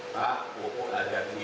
pak pupuk harga tinggi